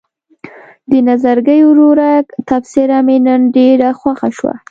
د نظرګي ورورک تبصره مې نن ډېره خوښه شوه.